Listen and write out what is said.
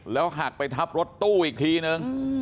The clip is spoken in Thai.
หักไปทับรถตู้อีกทีนึง